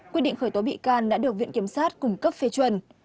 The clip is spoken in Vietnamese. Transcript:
quy định khởi tố bị can đã được huyện kiểm sát cung cấp phê chuẩn